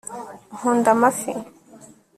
nkunda amafi